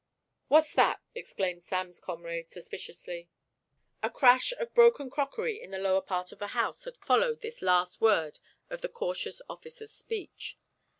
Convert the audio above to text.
"What's that?" exclaimed Sam's comrade, suspiciously. A crash of broken crockery in the lower part of the house had followed that last word of the cautious officer's speech.